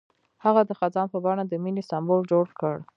هغه د خزان په بڼه د مینې سمبول جوړ کړ.